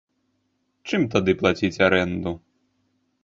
Чым тады плаціць арэнду?